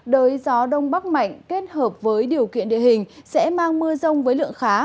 đới gió đông bắc mạnh kết hợp với điều kiện địa hình sẽ mang mưa rông với lượng khá